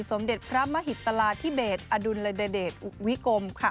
สมเด็จพระมหิตลาทิเบสอดุลเดดดิตวิกม